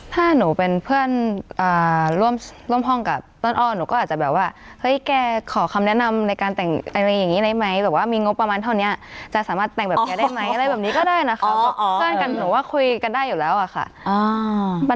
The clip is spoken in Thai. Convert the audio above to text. ถ้าหนูเป็นเพื่อนอ่าร่วมร่วมพ่องกับต้นอ้อหนูก็อาจจะแบบว่าเฮ้ยแกขอคำแนะนำในการแต่งอะไรอย่างนี้ได้ไหม